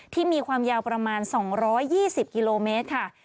มีความยาวประมาณ๒๒๐กิโลเมตรค่ะ